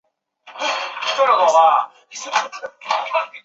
他又是伊朗宪政运动的领导人。